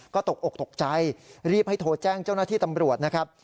ก็ตกอกตกใจรีบให้โทรแจ้งเจ้าหน้าที่ตำรวจนะครับ